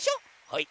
はい！